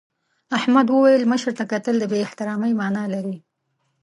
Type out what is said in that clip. احمد وویل مشر ته کتل د بې احترامۍ مانا لري.